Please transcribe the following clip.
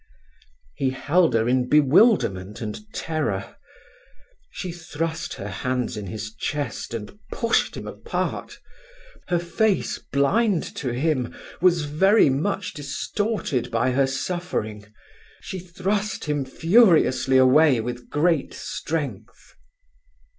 He held her in bewilderment and terror. She thrust her hands in his chest and pushed him apart. Her face, blind to him, was very much distorted by her suffering. She thrust him furiously away with great strength.